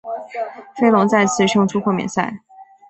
飞龙再次胜出豁免赛。